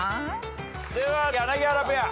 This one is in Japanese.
では柳原ペア。